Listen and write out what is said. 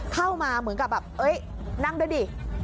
เข้ามาเหมือนกับแบบเอ้ยนั่งด้วยดิ